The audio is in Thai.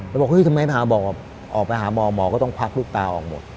ก็บอกทำไมมาบอกออกไปมองหมอก็ต้องพักลูกตาออกหมด